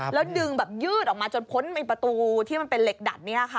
แล้วดึงแบบยืดออกมาจนพ้นไอ้ประตูที่มันเป็นเหล็กดัดเนี่ยค่ะ